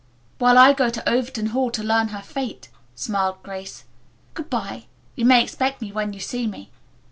"While I go on to Overton Hall to learn her fate," smiled Grace. "Good bye. You may expect me when you see me."